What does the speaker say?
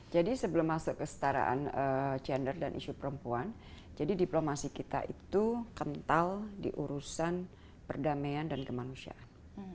jadi sebelum masuk kestaraan gender dan isu perempuan jadi diplomasi kita itu kental diurusan perdamaian dan kemanusiaan